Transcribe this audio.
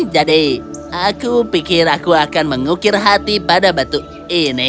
jadi aku pikir aku akan mengukir hati pada batu ini